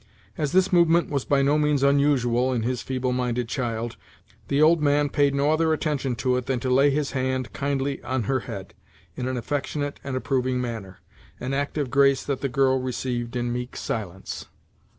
As this movement was by no means unusual in his feeble minded child, the old man paid no other attention to it than to lay his hand kindly on her head, in an affectionate and approving manner; an act of grace that the girl received in meek silence.